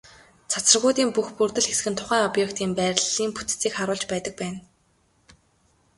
Цацрагуудын бүх бүрдэл хэсэг нь тухайн объектын байрлалын бүтцийг харуулж байдаг байна.